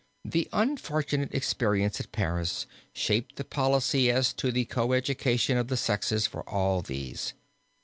The unfortunate experience at Paris shaped the policy as to the co education of the sexes for all these.